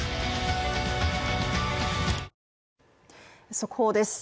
速報です。